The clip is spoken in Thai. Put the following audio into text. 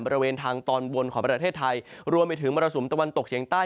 บริเวณทางตอนบนของประเทศไทยรวมไปถึงมรสุมตะวันตกเฉียงใต้